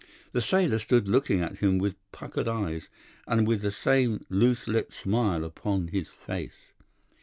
"The sailor stood looking at him with puckered eyes, and with the same loose lipped smile upon his face.